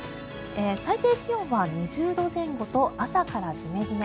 最低気温は２０度前後と朝からジメジメ。